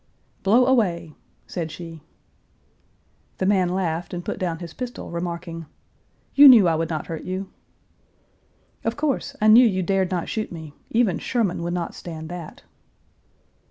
"Blow away," said she. The man laughed and put down his pistol, remarking, "You knew I would not hurt you." "Of course, I knew you dared not shoot me. Even Sherman would not stand that."